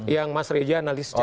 yang mas reza analis secara